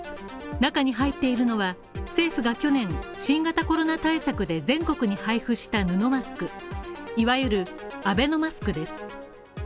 中に入っているのは、政府が去年、新型コロナ対策で全国に配布した布マスク、いわゆるアベノマスクです。